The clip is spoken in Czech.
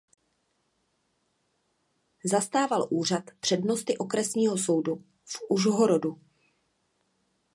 Zastával úřad přednosty okresního soudu v Užhorodu.